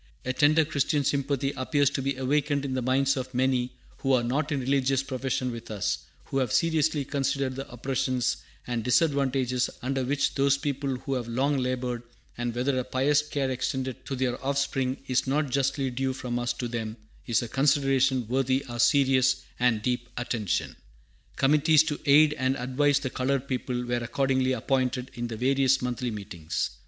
"A tender Christian sympathy appears to be awakened in the minds of many who are not in religious profession with us, who have seriously considered the oppressions and disadvantages under which those people have long labored; and whether a pious care extended to their offspring is not justly due from us to them is a consideration worthy our serious and deep attention." Committees to aid and advise the colored people were accordingly appointed in the various Monthly Meetings.